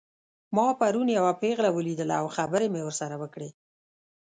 ما پرون یوه پیغله ولیدله او خبرې مې ورسره وکړې